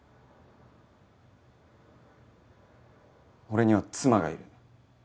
俺には妻がいる。